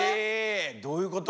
どういうこと？